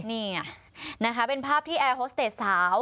นี่ไงนะคะเป็นภาพที่แอร์โฮสเตจสาว